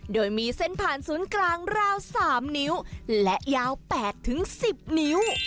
โดยมีเส้นผ่านศูนย์กลางราว๓นิ้วและยาว๘๑๐นิ้ว